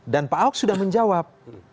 dan pak ahok sudah menjawab